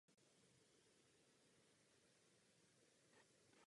V centru města stojí kostel svaté Marie.